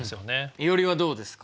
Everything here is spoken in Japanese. いおりはどうですか？